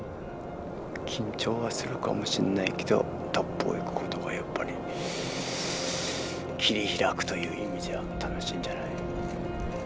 緊張はするかもしれないけどトップを行くことがやっぱり切り開くという意味じゃ楽しいんじゃない。